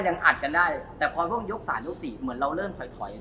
ยังอัดกันได้แต่พอช่วงยกสามยกสี่เหมือนเราเริ่มถอยถอย